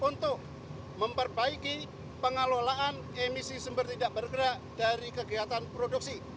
untuk memperbaiki pengelolaan emisi sumber tidak bergerak dari kegiatan produksi